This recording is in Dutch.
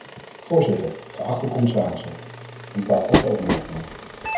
Voorzitter, geachte commissarissen, een paar korte opmerkingen.